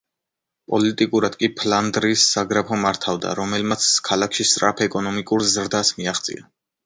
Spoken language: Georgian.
პოლიტიკურად კი ფლანდრიის საგრაფო მართავდა, რომელმაც ქალაქში სწრაფ ეკონომიკურ ზრდას მიაღწია.